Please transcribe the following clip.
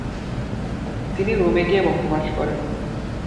তিনি রোমে গিয়ে বসবাস করেন।